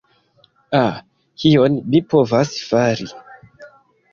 Ha... kion mi povas fari.